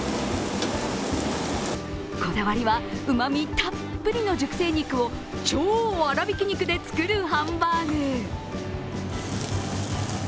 こだわりはうまみたっぷりの熟成肉を超粗びき肉で作るハンバーグ。